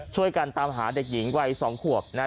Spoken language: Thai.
ช่วยกันตามหาเด็กหญิงวัย๒หัว